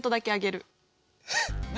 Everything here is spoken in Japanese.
何？